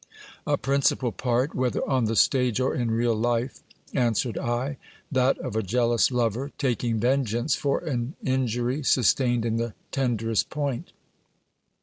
A principal part, whether on the stage or in real life, answered I : that of a jealous lover, taking vengeance for an injifry, sustained in the tender est point.